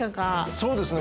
そうですね